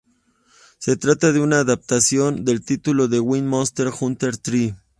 Se trata de una adaptación del título de Wii Monster Hunter Tri.